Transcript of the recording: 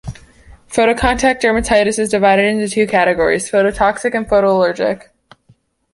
Photocontact dermatitis is divided into two categories: phototoxic and photoallergic.